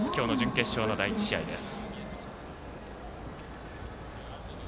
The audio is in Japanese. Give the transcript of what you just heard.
今日の準決勝の第１試合です。